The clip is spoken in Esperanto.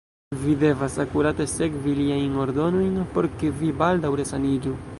Vi devas akurate sekvi liajn ordonojn, por ke vi baldaŭ resaniĝu.